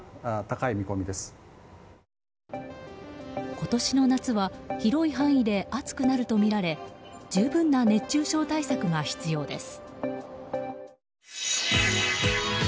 今年の夏は広い範囲で暑くなるとみられ十分な熱中症対策が必要です。